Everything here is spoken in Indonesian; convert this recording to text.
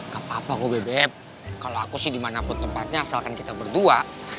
gak apa apa kok bbm kalau aku sih dimanapun tempatnya asalkan kita berdua